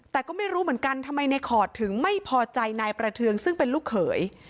แต่ก็ไม่รู้เหมือนกันทำไมในขอดถึงไม่พอใจนายประเทืองซึ่งเป็นลูกเขย